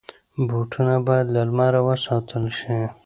بوټونه باید له لمره وساتل شي.